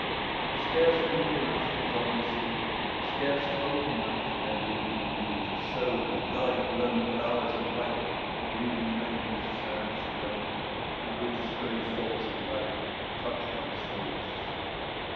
Scarce wind enough was on the sea, Scarce hope enough there moved in me, To sow with live blown flowers of white The green plain's sad serenity, Or with stray thoughts of light Touch my soul's sight.